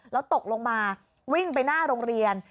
แล้วตกลงมาวิ่งไปหน้าโรงเรียน